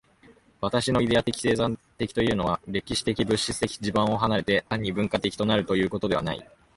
私のイデヤ的生産的というのは、歴史的物質的地盤を離れて、単に文化的となるということではない。